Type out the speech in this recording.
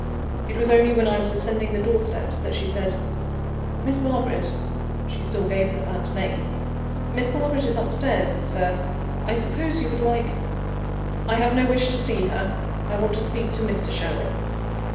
It was only when I was ascending the door steps that she said "Miss Margaret" (she still gave her that name!) "Miss Margaret is upstairs, Sir. I suppose you would like " "I have no wish to see her: I want to speak to Mr. Sherwin."